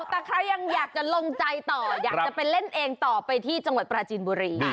แต่ใครยังอยากจะลงใจต่ออยากจะไปเล่นเองต่อไปที่จังหวัดปราจีนบุรี